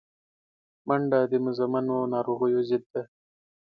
منډه د مزمنو ناروغیو ضد ده